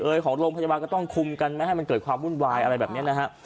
ของโรงพยาบาลก็ต้องคุมกันไม่ให้มันเกิดความวุ่นวายอะไรแบบนี้นะฮะ